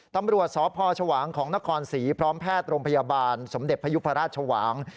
ตำรวจสพชวางของนครศรีพร้อมแพทย์โรงพยาบาลสมเด็จพยุพราชชวาง